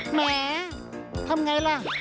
แหมทำไงล่ะ